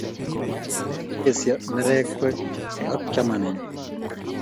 Kiibesion nerekwek ak chamanenyu